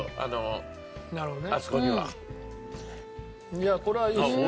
いやこれはいいですね。